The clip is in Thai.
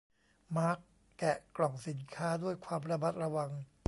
มาร์คแกะกล่องสินค้าด้วยความระมัดระวัง